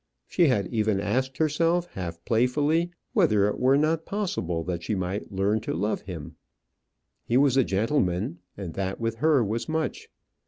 She had even asked herself, half playfully, whether it were not possible that she might learn to love him. He was a gentleman, and that with her was much.